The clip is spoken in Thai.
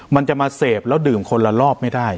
มันจะมาเสพแล้วดื่มคนละรอบไม่ได้